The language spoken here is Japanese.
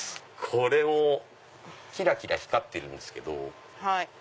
これもキラキラ光ってるんですけど。